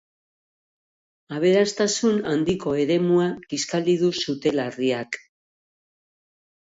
Aberastasun handiko eremua kiskali du sute larriak.